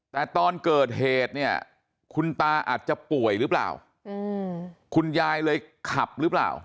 แต่ตอนเกิดเหตุเนี่ยคุณตาอาจจะป่วยหรือเปล่าคุณยายเลยขับหรือเปล่า